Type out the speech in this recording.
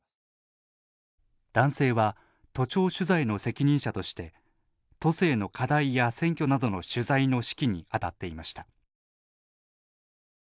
男性は都庁取材の責任者として都政の課題や選挙などの取材の指揮にあたっていました。